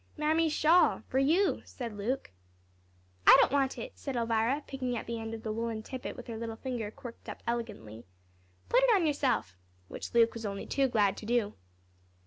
"Mammy's shawl for you," said Luke. "I don't want it," said Elvira, picking at the end of the woollen tippet with her little finger quirked up elegantly. "Put it on yourself," which Luke was only too glad to do.